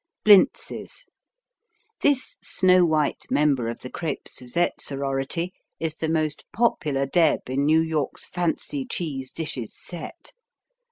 Blintzes This snow white member of the crêpes suzette sorority is the most popular deb in New York's fancy cheese dishes set.